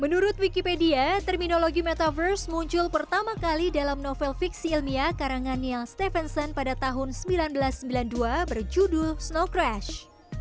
menurut wikipedia terminologi metaverse muncul pertama kali dalam novel fiksi ilmiah karanganiel stephenson pada tahun seribu sembilan ratus sembilan puluh dua berjudul snow crash